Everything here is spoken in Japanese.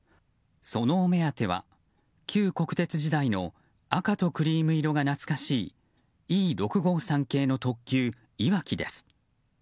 そのお目当ては、旧国鉄時代の赤とクリーム色が懐かしいＥ６５３系の特急「いわき」です。